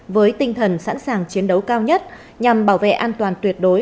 với tinh thần sẵn sàng chiến đấu cao nhất nhằm bảo vệ an toàn tuyệt đối